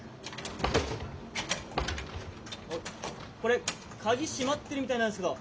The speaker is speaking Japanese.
これカギ閉まってるみたいなんですけど。